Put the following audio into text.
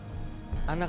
saya sih bunny pulak